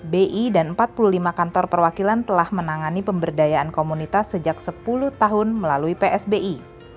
bi dan empat puluh lima kantor perwakilan telah menangani pemberdayaan komunitas sejak sepuluh tahun melalui psbi